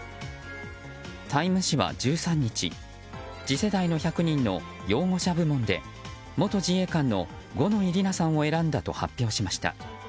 「タイム」誌は１３日次世代の１００人の擁護者部門で元自衛官の五ノ井里奈さんを選んだと発表しました。